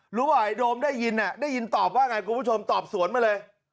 หรือว่าไอโดมได้ยินได้ยินตอบว่าไงคุณผู้ชมตอบสวนมาเลย